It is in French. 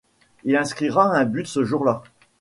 Il inscrira un but ce jour-là.